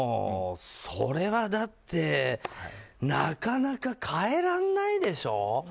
それはだってなかなか変えらんないでしょ。